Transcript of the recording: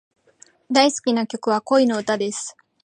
大好きな曲は、恋の歌です。